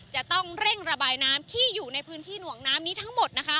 จะต้องเร่งระบายน้ำที่อยู่ในพื้นที่หน่วงน้ำนี้ทั้งหมดนะคะ